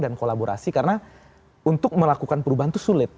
dan kolaborasi karena untuk melakukan perubahan tuh sulit